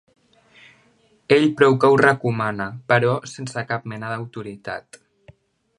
Ell prou que ho recomana, però sense cap mena d'autoritat.